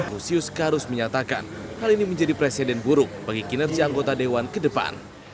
lusius karus menyatakan hal ini menjadi presiden buruk bagi kinerja anggota dewan ke depan